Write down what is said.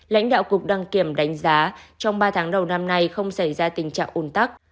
lãnh đạo cục đăng kiểm đánh giá trong ba tháng đầu năm nay không xảy ra tình trạng ồn tắc